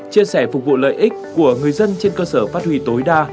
chia sẻ phục vụ lợi ích của người dân trên cơ sở phát huy tối đa